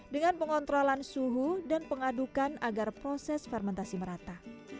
dengan pengontrolan suhu dan pengadukan agar proses fermentasi merata